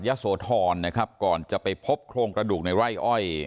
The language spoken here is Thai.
ยศวทรก่อนจะไปพบโครงกระดูกในร่ายอ้อย